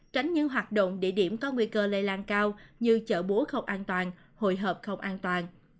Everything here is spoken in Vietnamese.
tránh những hoạt động địa điểm có nguy cơ lây lan cao như chợ búa không an toàn hội hợp không an toàn